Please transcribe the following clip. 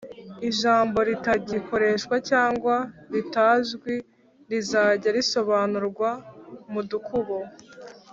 ijambo ritagikoreshwa cg ritazwi rizajya risobanurwa mudukubo